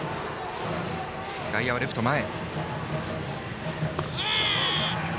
外野はレフトが前。